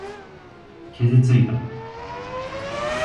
傷ついた。